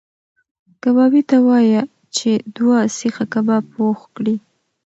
کبابي ته وایه چې دوه سیخه کباب پخ کړي.